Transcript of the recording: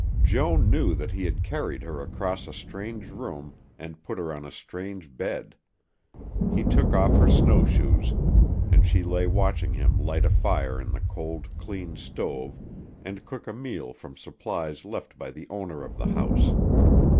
Joan knew that he had carried her across a strange room and put her on a strange bed. He took off her snowshoes, and she lay watching him light a fire in the cold, clean stove and cook a meal from supplies left by the owner of the house.